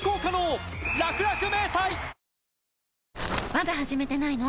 まだ始めてないの？